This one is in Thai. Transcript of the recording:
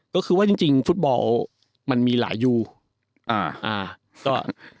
ก็คือว่าจริงฟุตบอลมันมีหลายอ่า